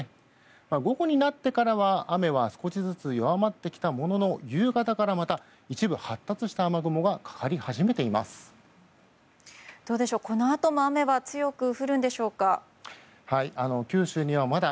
午後になってからは雨は少しずつ弱まってきたものの夕方からまた一部発達した雨雲がかかり始めています。